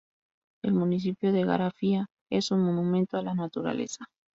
El municipio de Garafía es un monumento a la Naturaleza.